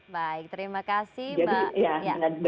baik terima kasih mbak